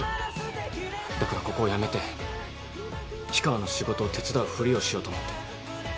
だからここを辞めて氷川の仕事を手伝うふりをしようと思って。